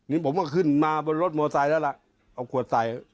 นี่ผมก็ขึ้นมาบนรถมอไซค์แล้วล่ะเอาขวดใส่